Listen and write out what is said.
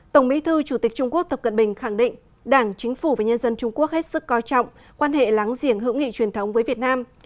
tổng bí thư chủ tịch trung quốc tập cận bình khẳng định đảng chính phủ và nhân dân trung quốc hết sức coi trọng quan hệ láng giềng hữu nghị truyền thống với việt nam